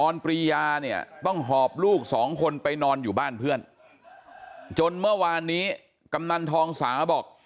ปรียาเนี่ยต้องหอบลูกสองคนไปนอนอยู่บ้านเพื่อนจนเมื่อวานนี้กำนันทองสาบอก